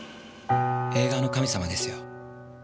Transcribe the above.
映画の神様ですよ。